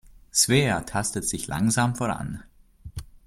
Svea tastet sich langsam voran.